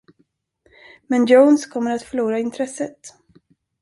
Men Jones kommer att förlora intresset.